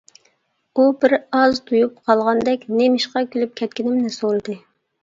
ئۇ بىر ئاز تۇيۇپ قالغاندەك نېمىشقا كۈلۈپ كەتكىنىمنى سورىدى.